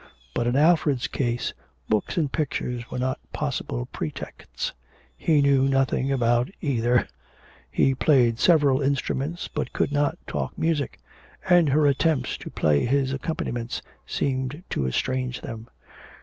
But, in Alfred's case, books and pictures were not possible pretexts; he knew nothing about either, he played several instruments but could not talk music, and her attempts to play his accompaniments seemed to estrange them.